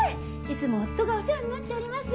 いつも夫がお世話になっております。